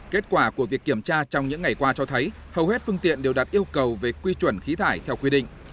kết quả của việc kiểm tra trong những ngày qua cho thấy hầu hết phương tiện đều đặt yêu cầu về quy chuẩn khí thải theo quy định